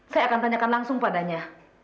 saya akan tanyakan langsung padanya